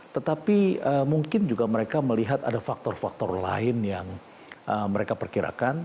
tetapi mungkin juga mereka melihat ada faktor faktor lain yang mereka perkirakan